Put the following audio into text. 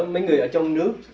mấy người ở trong nước